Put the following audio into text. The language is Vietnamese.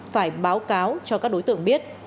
phải báo cáo cho các đối tượng biết